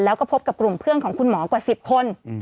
แล้วก็พบกับกลุ่มเพื่อนของคุณหมอกว่า๑๐คน